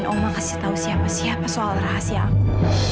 biarin omah kasih tau siapa siapa soal rahasia aku